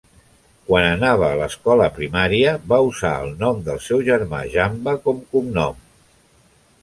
Quan anava a l"escola primària, va usar el nom del seu germà Jamba com cognom.